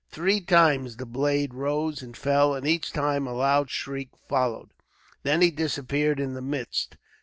Three times the blade rose and fell, and each time a loud shriek followed. Then he disappeared in the midst.